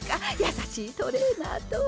優しいトレーナーとは？